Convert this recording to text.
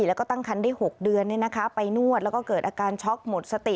แล้วก็ตั้งคันได้๖เดือนไปนวดแล้วก็เกิดอาการช็อกหมดสติ